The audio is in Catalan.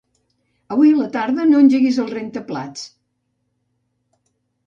Avui a la tarda no engeguis el rentaplats.